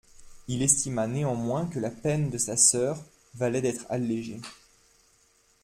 Il estima néanmoins que la peine de sa sœur valait d'être allégée.